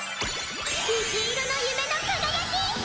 虹色の夢の輝き！